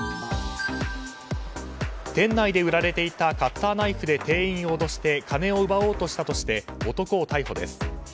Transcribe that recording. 店内で売られていたカッターナイフで店員を脅して金を奪おうとしたとして男を逮捕です。